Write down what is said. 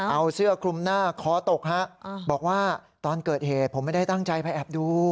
เอาเสื้อคลุมหน้าคอตกฮะบอกว่าตอนเกิดเหตุผมไม่ได้ตั้งใจไปแอบดู